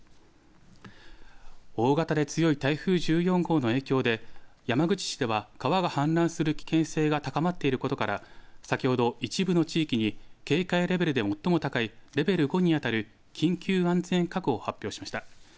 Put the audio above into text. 大型で強い台風１４号の影響で山口市では川が氾濫する危険性が高まっていることから先ほど一部の地域に警戒レベルで最も高いレベル５にあたる緊急安全確保を発表しました。